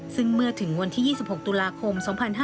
ซึ่งเมื่อถึงวันที่๒๖ตุลาคม๒๕๕๙